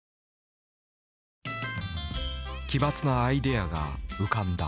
奇抜なアイデアが浮かんだ。